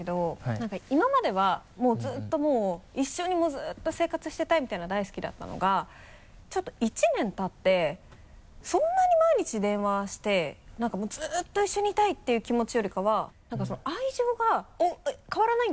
なんか今まではもうずっと一緒にもうずっと生活してたいみたいな大好きだったのがちょっと１年たってそんなに毎日電話してなんかもうずっと一緒にいたいていう気持ちよりかはなんかその愛情が変わらないんだよ。